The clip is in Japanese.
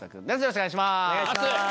お願いします。